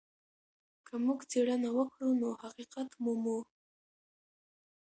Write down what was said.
که موږ څېړنه وکړو نو حقيقت مومو.